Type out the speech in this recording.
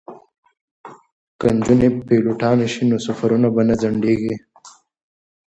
که نجونې پیلوټانې شي نو سفرونه به نه ځنډیږي.